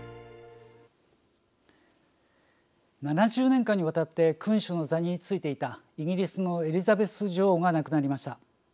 ７０年間にわたって君主の座についていたイギリスのエリザベス女王が亡くなりました。